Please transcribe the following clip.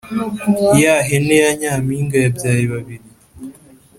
Yahene yanyampinga yabyaye babiri